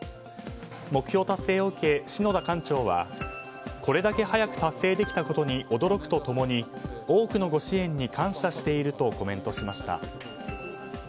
目標達成を受け、篠田館長はこれだけ早く達成できたことに驚くと共に多くのご支援に感謝しているとコメントしました。